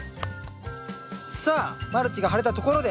さあマルチが張れたところで。